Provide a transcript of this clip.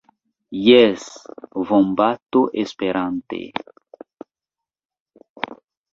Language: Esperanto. Jes, vombato Esperante.